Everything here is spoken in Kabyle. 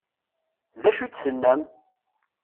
D acu i d-tennam?